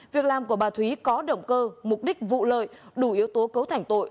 việc làm của bà thúy có động cơ mục đích vụ lợi đủ yếu tố cấu thành tội